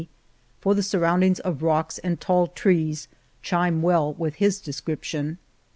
for the surroundings of rocks and tall trees chime well with his description.